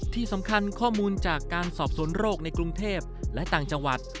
ที่สำคัญข้อมูลจากการสอบสวนโรคในกรุงเทพและต่างจังหวัด